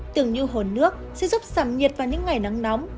tưởng như hồn nước sẽ giúp giảm nhiệt vào những ngày nắng nóng